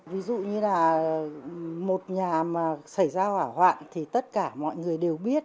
ví dụ như là một nhà mà xảy ra hỏa hoạn thì tất cả mọi người đều biết